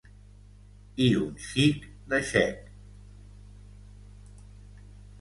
I un xic de xec.